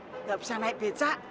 gak bisa naik beca